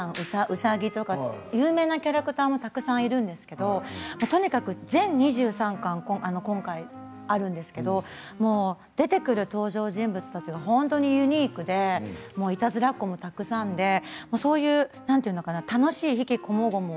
うさぎとか有名なキャラクターもたくさんいるんですけど全２３巻あるんですけど出てくる登場人物たちが本当にユニークでいたずらっ子もたくさんで楽しい悲喜こもごも